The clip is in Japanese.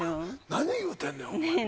何言うてんねんお前ねえ